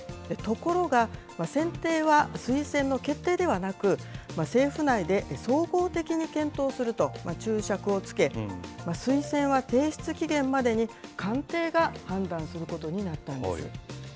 ところが、選定は推薦の決定ではなく、政府内で総合的に検討すると注釈をつけ、推薦は提出期限までに官邸が判断することになったんです。